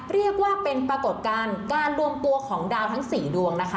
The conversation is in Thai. เรียกว่าเป็นปรากฏการณ์การรวมตัวของดาวทั้ง๔ดวงนะคะ